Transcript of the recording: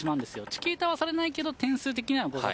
チキータはされないけど、点数的には互角